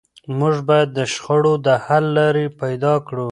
موږ باید د شخړو د حل لارې پیدا کړو.